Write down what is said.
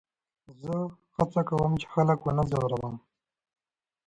زه هڅه کوم، چي خلک و نه ځوروم.